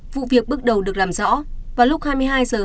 vụ việc bước đầu được làm rõ